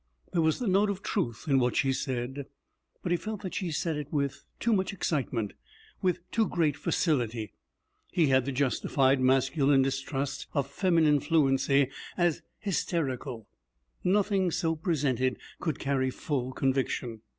There was the note of truth in what she said, but he felt that she said it with too much excitement, with too great facility. He had the justified masculine distrust of feminine fluency as hysterical. Nothing so presented could carry full conviction.